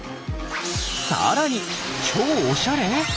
さらに超おしゃれ！？